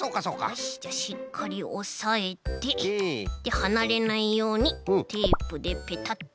よしじゃしっかりおさえてではなれないようにテープでペタッとして。